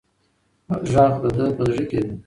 غږ د ده په زړه کې و.